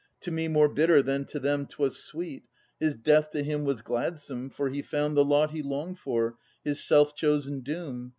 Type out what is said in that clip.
To me more bitter than to them 'twas sweet, His death to him was gladsome, for he found The lot he longed for, his self chosen doom.